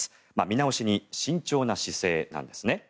見直しに慎重な姿勢なんですね。